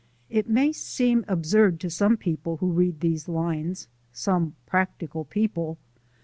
It may seem absurd to some who read these lines some practical people!